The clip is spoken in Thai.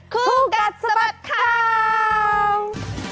คู่กัดสะบัดข่าว